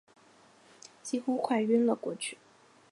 几乎快晕了过去